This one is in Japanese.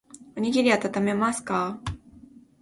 おにぎりあたためますか